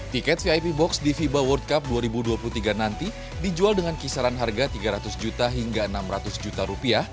tiket vip box di fiba world cup dua ribu dua puluh tiga nanti dijual dengan kisaran harga tiga ratus juta hingga enam ratus juta rupiah